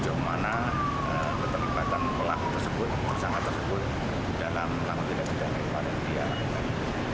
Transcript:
jauh mana keterlibatan pelaku tersebut perusahaan tersebut dalam langkah langkah kita mengembalikan